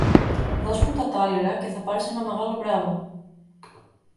Δωσ' μου τα τάλιρα και θα πάρεις ένα μεγάλο μπράβο.